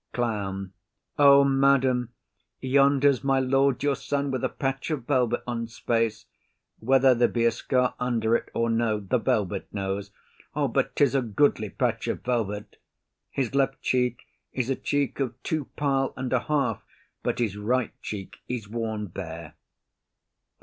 CLOWN. O madam, yonder's my lord your son with a patch of velvet on's face; whether there be a scar under't or no, the velvet knows; but 'tis a goodly patch of velvet. His left cheek is a cheek of two pile and a half, but his right cheek is worn bare.